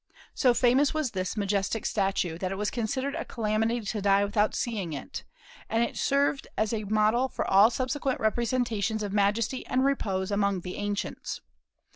So famous was this majestic statue, that it was considered a calamity to die without seeing it; and it served as a model for all subsequent representations of majesty and repose among the ancients.